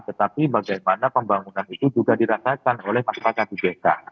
tetapi bagaimana pembangunan itu juga dirasakan oleh masyarakat ujk